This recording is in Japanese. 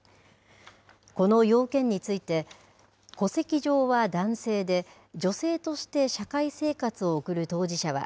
この要件について、戸籍上は男性で女性として社会生活を送る当事者は、